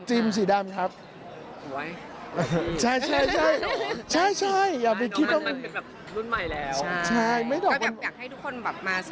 อ๋อธีมเติมน้องเจ้าสาวเต็มสูตรอะไรอย่างนี้ไหมครับ